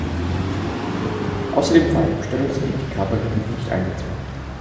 Außerdem war im Stellungskrieg die Kavallerie nicht einsetzbar.